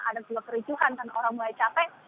ada juga kericuhan karena orang mulai capek